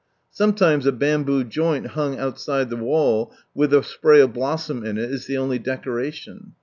Sometimes a bamboo joint hung ag^nst the wall, with a spray of blossom in it, is the only dec(»aIioD.